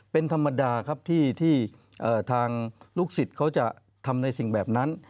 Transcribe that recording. เป็นธรรมดาครับที่ทางลูกศิษย์เขาจะทำในสิ่งแบบนั้น